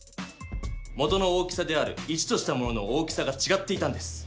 元の大きさである１としたものの大きさがちがっていたんです。